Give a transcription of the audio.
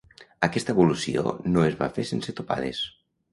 Aquesta evolució no es va fer sense topades.